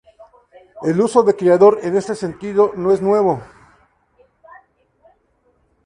El uso de "criador" en este sentido, no es nuevo.